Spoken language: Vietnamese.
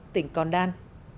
tỉnh còn đan